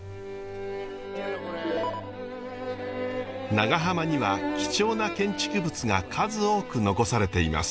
長浜には貴重な建築物が数多く残されています。